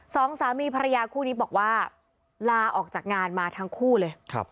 สองสามีภรรยาคู่นี้บอกว่าลาออกจากงานมาทั้งคู่เลย